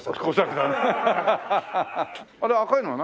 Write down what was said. あれ赤いのは何？